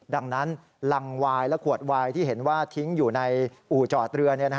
ดังนั้นรังวายและขวดวายที่เห็นว่าทิ้งอยู่ในอู่จอดเรือ